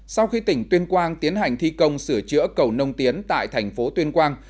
sau khi tỉnh tuyên quang tiến hành thi công sửa chữa cầu nông tiến tại thành phố tuyên quang